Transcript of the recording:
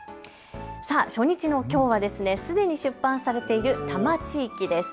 初日のきょうはすでに出版されている多摩地域です。